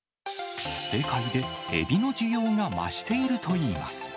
世界でエビの需要が増しているといいます。